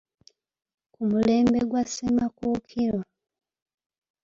Ku mulembe gwa Ssemakookiro